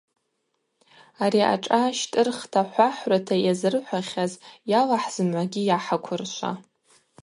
Ари ашӏа щтӏырхта хӏвахӏврата йазырхӏвахьаз йАллахӏ зымгӏвагьи йгӏахӏыквыршва.